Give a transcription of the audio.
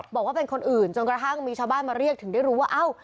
บอกว่าเป็นคนอื่นจนกระทั่งมีชาวบ้านมาเรียกถึงได้รู้ว่าเอ้า